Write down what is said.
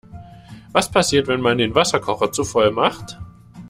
Was passiert, wenn man den Wasserkocher zu voll macht?